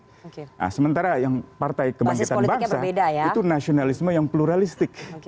nah sementara yang partai kebangkitan bangsa itu nasionalisme yang pluralistik